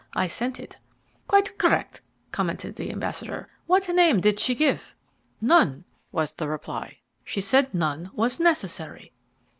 I sent it." "Quite correct," commented the ambassador. "What name did she give?" "None," was the reply. "She said none was necessary."